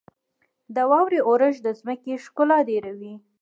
• د واورې اورښت د ځمکې ښکلا ډېروي.